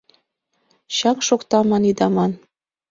Чаҥ шокта ман ида ман -